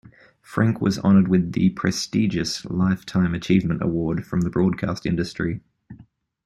Frank was honored with the prestigious Lifetime Achievement Award from the broadcast industry.